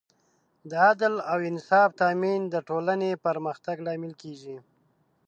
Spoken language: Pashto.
د عدل او انصاف تامین د ټولنې پرمختګ لامل کېږي.